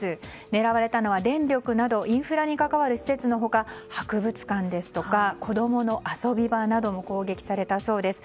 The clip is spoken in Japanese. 狙われたのは電力などインフラに関わる施設の他博物館ですとか子供の遊び場なども攻撃されたそうです。